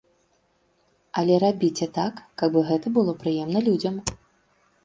Але рабіце так, каб гэта было прыемна людзям.